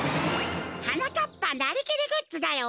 はなかっぱなりきりグッズだよ！